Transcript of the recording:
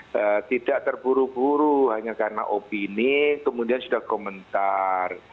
jadi tidak terburu buru hanya karena opini kemudian sudah komentar